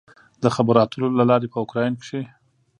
د خبرو اترو له لارې په اوکراین کې